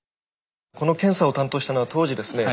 この検査を担当したのは当時ですね